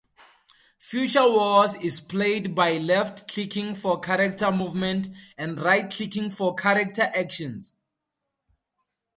"Future Wars" is played by left-clicking for character movement, and right-clicking for character actions.